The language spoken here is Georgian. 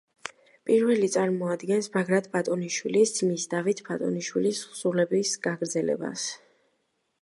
პირველი წარმოადგენს ბაგრატ ბატონიშვილის ძმის დავით ბატონიშვილის თხზულების გაგრძელებას.